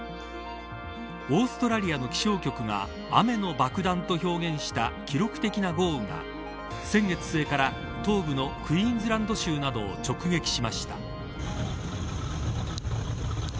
オーストラリアの気象局が雨の爆弾と表現した記録的な豪雨が、先月末から東部のクイーンズランド州などを直撃しました。